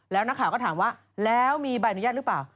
แล้วนักข่าวก็ถามว่าแล้วมีใบอนุญาตหรือเปล่า